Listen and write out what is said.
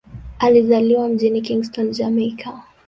Alizaliwa mjini Kingston, Jamaika.